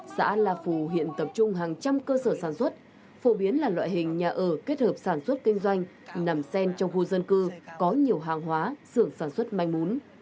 xã la phù hiện tập trung hàng trăm cơ sở sản xuất phổ biến là loại hình nhà ở kết hợp sản xuất kinh doanh nằm sen trong khu dân cư có nhiều hàng hóa xưởng sản xuất manh mún